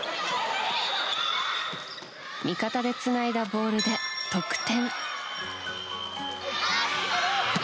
味方でつないだボールで得点。